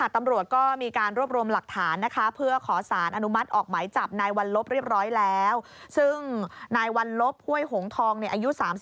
ตำรวจก็มีรวมตัวรวมหลักฐาน